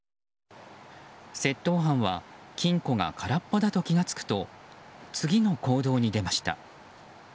窃盗犯は金庫が空っぽだと気が付くと次の行動に出ました。